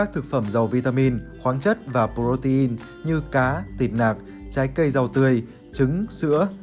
thực phẩm giàu vitamin khoáng chất và protein như cá tịt nạc trái cây giàu tươi trứng sữa